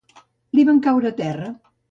Li van caure a terra.